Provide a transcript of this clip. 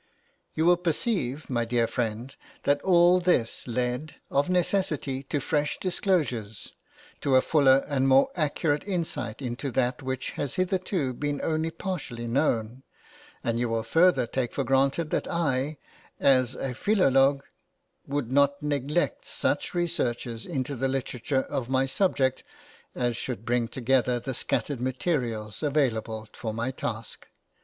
You will perceive, my dear friend, that all this led, of necessity, to fresh disclosures, to a fuller and more accurate insight into that which had hitherto been only partially known; and you will further take for granted that I, as a "philolog," would not neglect such researches into the literature of my subject as should bring together the scattered materials available for my task.